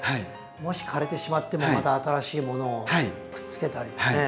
もし枯れてしまってもまた新しいものをくっつけたりね。